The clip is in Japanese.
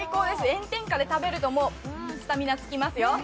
炎天下で食べるとスタミナつきますよ。